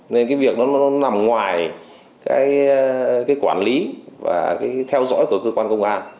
nên cái việc nó nằm ngoài cái quản lý và theo dõi của cơ quan công an